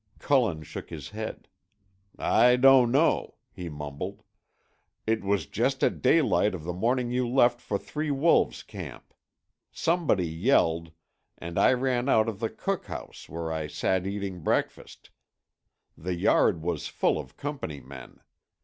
Cullen shook his head. "I don't know," he mumbled. "It was just at daylight of the morning you left for Three Wolves camp. Somebody yelled, and I ran out of the cookhouse where I sat eating breakfast. The yard was full of Company men.